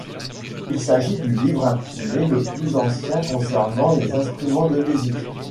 Il s'agit du livre imprimé le plus ancien concernant les instruments de musique.